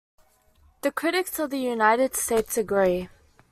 The critics of the United States agree.